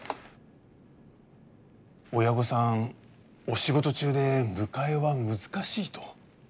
親御さんお仕事中で迎えは難しいと。